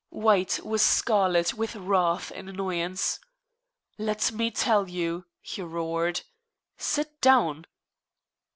White was scarlet with wrath and annoyance. "Let me tell you " he roared. "Sit down!"